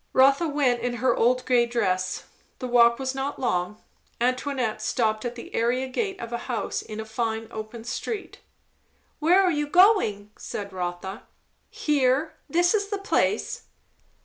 Rotha went in her old grey dress. The walk was not long. Antoinette stopped at the area gate of a house in a fine open street. "Where are you going?" said Rotha. "Here. This is the place."